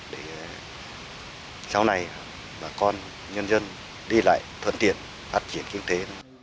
để sau này bà con nhân dân đi lại thuận tiện phát triển kinh tế